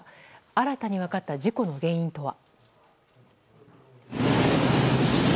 新たに分かった事故の原因とは。